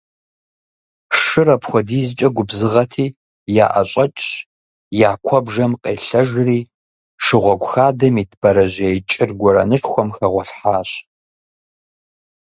Шыр апхуэдизкӏэ губзыгъэти, яӏэщӏэкӏщ, я куэбжэм къелъэжри, шыгъуэгу хадэм ит бэрэжьей кӏыр гуэрэнышхуэм хэгъуэлъхьащ.